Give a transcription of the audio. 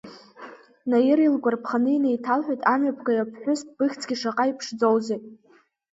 Наира, илгәарԥханы инеиҭалҳәеит амҩаԥгаҩ ԥҳәыс, быхьӡгьы шаҟа иԥшӡоузеи.